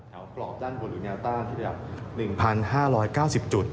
กรอบด้านบนหรือแนวต้านที่ระดับ๑๕๙๐จุด